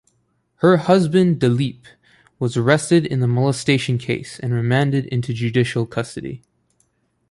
Her husband Dileep was arrested in the molestation case and remanded into judicial custody.